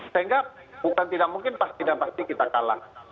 sehingga bukan tidak mungkin pasti kita kalah